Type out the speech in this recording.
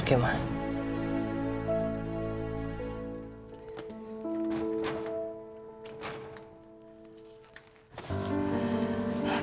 apa kamu maksudnya banyak banget ma